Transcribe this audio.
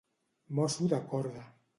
Mosso de corda.